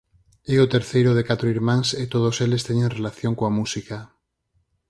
É o terceiro de catro irmáns e todos eles teñen relación coa música.